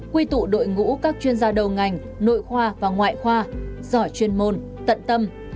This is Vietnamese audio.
quy tụ đội ngũ các chuyên gia đầu ngành nội khoa và ngoại khoa giỏi chuyên môn tận tâm